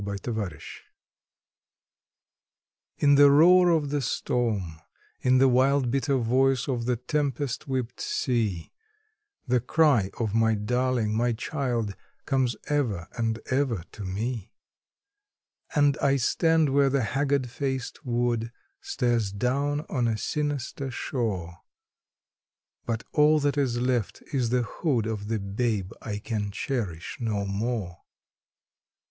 Frank Denz In the roar of the storm, in the wild bitter voice of the tempest whipped sea, The cry of my darling, my child, comes ever and ever to me; And I stand where the haggard faced wood stares down on a sinister shore, But all that is left is the hood of the babe I can cherish no more.